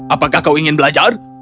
apakah kau ingin belajar